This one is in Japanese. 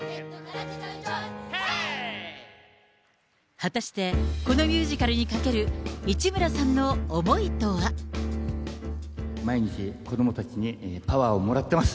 果たして、このミュージカルに懸ける市村さんの思いとは。毎日、子どもたちにパワーをもらってます。